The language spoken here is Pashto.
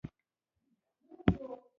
غول د بدن د منځ خبروالی دی.